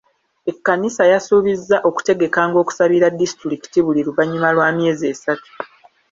Ekkanisa yasuubizza okutegekanga okusabira disitulikiti buli luvannyuma lwa -myezi esatu.